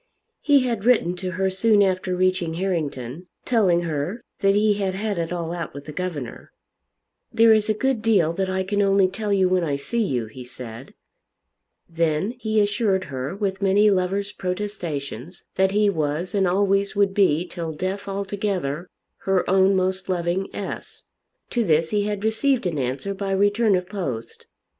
He had written to her soon after reaching Harrington, telling her that he had had it all out with the governor. "There is a good deal that I can only tell you when I see you," he said. Then he assured her with many lover's protestations that he was and always would be till death altogether her own most loving S. To this he had received an answer by return of post.